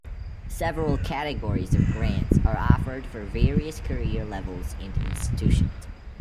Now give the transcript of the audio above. Several categories of grants are offered for various career levels and institutions.